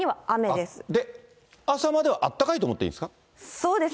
で、朝まではあったかいと思っていいですか。